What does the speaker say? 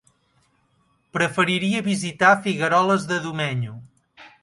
Preferiria visitar Figueroles de Domenyo.